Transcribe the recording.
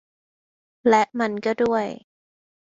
และมันก็ด้วย